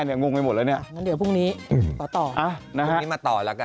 เดี๋ยวพรุ่งนี้ตัวต่อ